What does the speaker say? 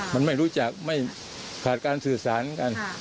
มันไม่รู้จักไม่ขาดการสื่อสารกัน